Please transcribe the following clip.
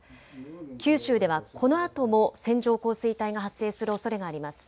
九州ではこのあとも線状降水帯が発生するおそれがあります。